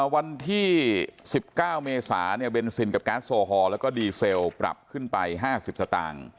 วันที่๑๙เมษาเนี่ยเวนซินกับแก๊สโซหอลและก็ดีลปรับขึ้นไป๕๐สต